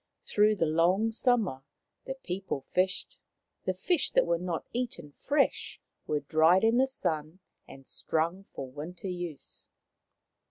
Through the long summer the people fished ; the fish that were not eaten fresh were dried in the sun and strung for winter use.